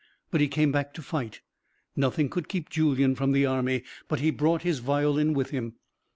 But he came back to fight. Nothing could keep Julien from the army, but he brought his violin with him.